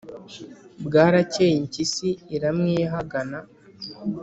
Bwaracyeye imbyisi iramwihagana